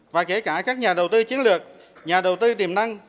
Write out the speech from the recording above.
và kể cả các nhà đầu tư chiến lược nhà đầu tư tiềm năng